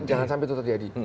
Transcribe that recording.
jangan sampai itu terjadi